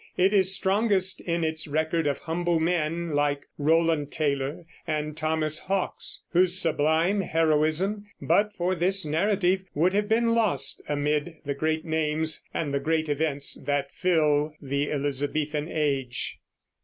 It is strongest in its record of humble men, like Rowland Taylor and Thomas Hawkes, whose sublime heroism, but for this narrative, would have been lost amid the great names and the great events that fill the Elizabethan Age.